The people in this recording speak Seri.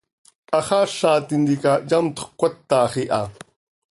Haxaaza tintica yamtxö cöcatax iha.